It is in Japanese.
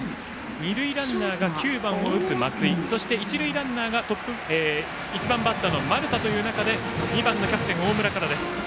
二塁ランナーが９番を打つ松井そして、一塁ランナーが１番バッターの丸田という中で２番キャプテン、大村からです。